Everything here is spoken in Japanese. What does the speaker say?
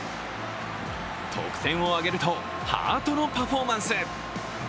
得点を挙げるととハートのパフォーマンス。